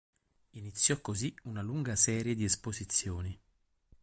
Iniziò così una lunga serie di esposizioni.